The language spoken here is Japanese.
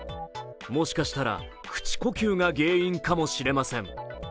もしかしたら口呼吸が原因かもしれません。